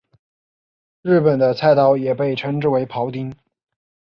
日本的菜刀也被称之为庖丁。